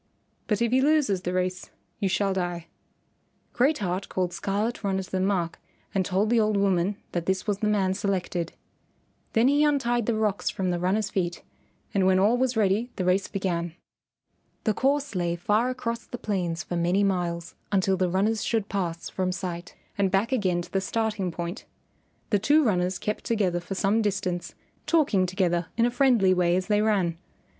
But if he loses the race you shall die." Great Heart called Scarlet Runner to the mark and told the old woman that this was the man selected. Then he untied the rocks from the runner's feet, and when all was ready the race began. The course lay far across the plains for many miles until the runners should pass from sight, and back again to the starting point. The two runners kept together for some distance, talking together in a friendly way as they ran.